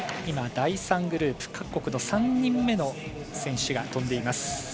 第３グループ各国の３人目の選手が飛んでいます。